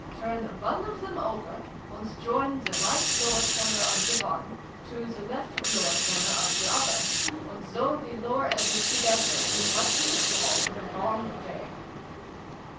" Turn one of them over, and join the right lower corner of the one to the left lower corner of the other, and sew the lower edges together in what you would call the wrong way."